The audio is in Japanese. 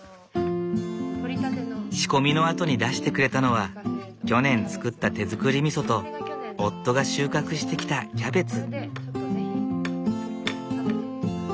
仕込みのあとに出してくれたのは去年作った手づくりみそと夫が収穫してきたキャベツ。